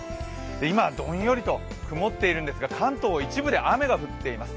今、どんよりと曇っているんですが関東、一部で雨が降っています。